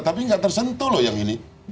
tapi nggak tersentuh loh yang ini